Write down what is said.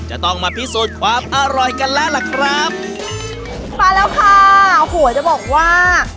จะต้องมาพิสูจน์ความอร่อยกันแล้วล่ะครับมาแล้วค่ะโอ้โหจะบอกว่า